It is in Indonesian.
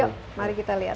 yuk mari kita lihat